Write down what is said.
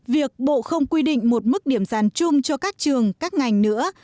việc bộ không quy định một mức điểm sàn chung cho các trường các ngành nữa